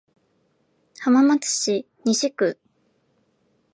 浜松市西区